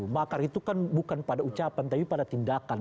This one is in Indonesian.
makar itu kan bukan pada ucapan tapi pada tindakan